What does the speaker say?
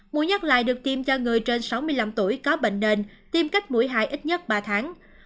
mũi nhắc lại được tiêm cho người trên sáu mươi năm tuổi có bệnh nền tiêm cách mũi hai ít nhất ba tháng